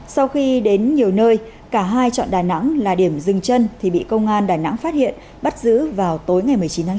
sau khi đến nhiều nơi cả hai chọn đà nẵng là điểm dừng chân thì bị công an đà nẵng phát hiện bắt giữ vào tối ngày một mươi chín tháng chín